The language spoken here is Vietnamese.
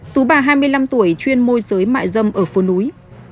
tú bà hai mươi năm tuổi chuyên môi giới mại dâm ở phố núi